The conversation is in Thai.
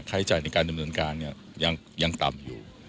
ค่าใช้จ่ายในการดำเนินการยังต่ำอยู่